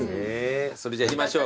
それじゃ行きましょうか。